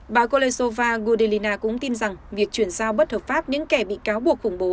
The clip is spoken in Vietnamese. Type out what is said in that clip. bà kolesova gudelina cũng tin rằng việc chuyển giao bất hợp pháp những kẻ bị cáo buộc khủng bố